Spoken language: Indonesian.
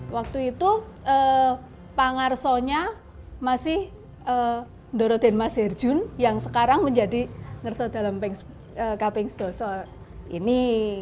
waktu itu pangarso nya masih ndoroden mas herjun yang sekarang menjadi ngerso dalem kapengsdoso ini